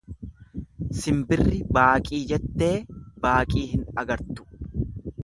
Simbirri baaqii jettee baaqii hin argattu.